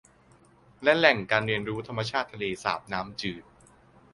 และแหล่งการเรียนรู้ธรรมชาติทะเลสาปน้ำจืด